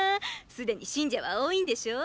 すでに信者は多いんでしょォ？